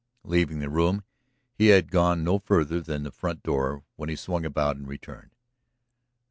Leaving the room he had gone no farther than the front door when he swung about and returned.